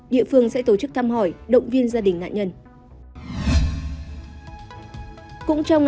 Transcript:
địa phương sẽ tổ chức thăm hỏi động viên gia đình nạn nhân